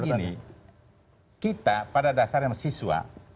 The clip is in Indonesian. jadi gini kita pada dasarnya siswa